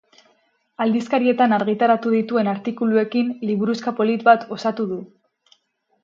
Aldizkarietan argitaratu dituen artikuluekin liburuxka polit bat osatu du.